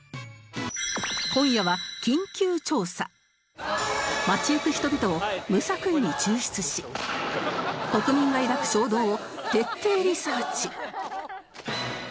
今夜は街行く人々を無作為に抽出し国民が抱く衝動を徹底リサーチ！